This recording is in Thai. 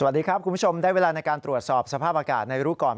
สวัสดีครับคุณผู้ชมได้เวลาในการตรวจสอบสภาพอากาศในรู้ก่อน